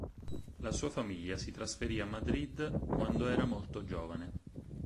La sua famiglia si trasferì a Madrid quando era molto giovane.